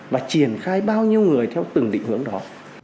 và triển khai bao nhiêu người theo từng định hướng đó